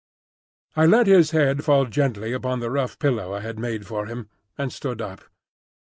I let his head fall gently upon the rough pillow I had made for him, and stood up.